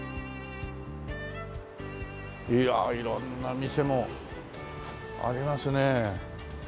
いやあ色んな店もありますね。